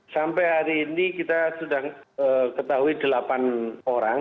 sampai hari ini kita sudah ketahui delapan orang